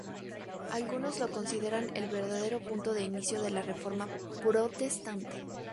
Algunos lo consideran el verdadero punto de inicio de la Reforma protestante.